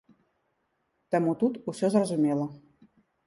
Таму тут усё зразумела.